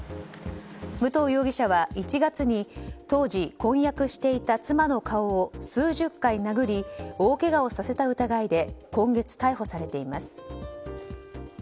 武藤容疑者は、１月に当時婚約していた妻の顔を数十回殴り大けがをさせた疑いで今月、逮捕されています。